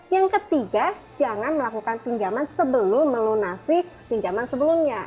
yang ketiga jangan melakukan pinjaman sebelum melunasi pinjaman sebelumnya